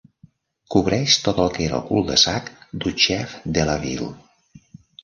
Cobreix tot el que era el cul-de-sac Duchefdelaville.